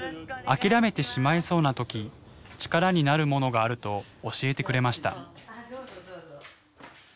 あきらめてしまいそうな時力になるものがあると教えてくれました。